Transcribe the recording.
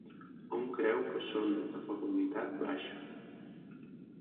Hom creu que són de fecunditat baixa.